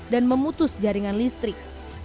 dan memutus jaringan listrik